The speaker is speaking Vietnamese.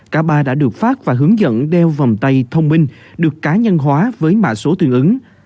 cả ba đã được phát và hướng dẫn đeo vòng tay thông minh được cá nhân hóa với mã số tương ứng